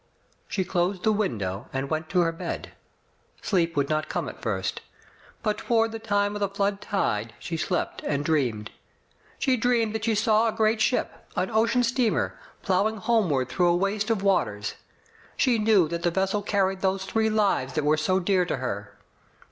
She closed the window and went to her bed. Sleep would not come at first. But toward the time of the flood tide she slept and dreamed. She dreamed that she saw a great ship — an ocean steamer — plowing homeward through a waste of waters. She knew that the vessel carried those three lives that were so dear to her.